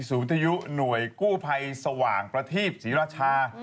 สู่นายที่สวางทีประเทศศรีราชา